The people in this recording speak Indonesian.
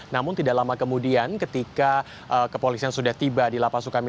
namun tidak lama kemudian ketika kepolisian sudah tiba di lapas suka mis